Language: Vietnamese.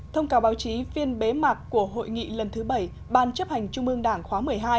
thông cáo báo chí phiên bế mạc của hội nghị lần thứ bảy ban chấp hành trung ương đảng khóa một mươi hai